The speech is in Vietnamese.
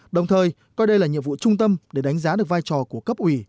đồng thời coi đây là nhiệm vụ trung tâm để đánh giá được vai trò của cấp ủy